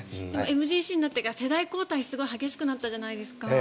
ＭＧＣになってから世代交代すごい激しくなったじゃないですか。